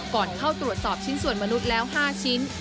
ก่อนเข้าตรวจสอบชิ้นส่วนมนุษย์แล้ว๕ชิ้น